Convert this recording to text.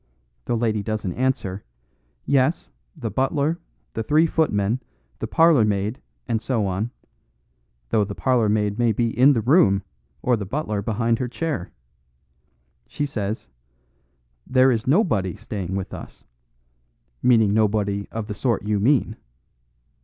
the lady doesn't answer 'Yes; the butler, the three footmen, the parlourmaid, and so on,' though the parlourmaid may be in the room, or the butler behind her chair. She says 'There is nobody staying with us,' meaning nobody of the sort you mean.